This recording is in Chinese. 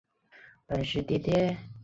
白志东是一位中国统计学家。